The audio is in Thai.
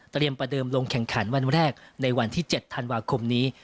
ประเดิมลงแข่งขันวันแรกในวันที่๗ธันวาคมนี้